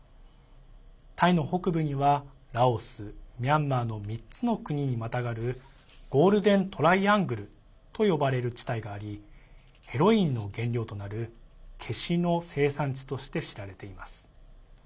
タイの北部にはラオスミャンマーの３つの国にまたがるゴールデン・トライアングルと呼ばれる地帯がありヘロインの原料となる、けしの生産地として知られています。